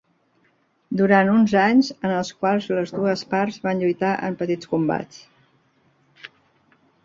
Durant uns anys en els quals les dues parts van lluitar en petits combats.